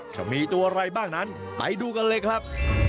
จะมีตัวอะไรบ้างนั้นไปดูกันเลยครับ